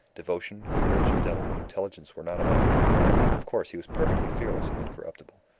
Devotion, courage, fidelity, intelligence were not enough. Of course, he was perfectly fearless and incorruptible.